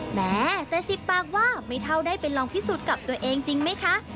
แม้แต่๑๐ปากว่าไม่เท่าได้ไปลองพิสูจน์กับตัวเองจริงไหมคะ